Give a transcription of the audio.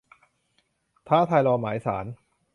ท้าทายรอหมายศาล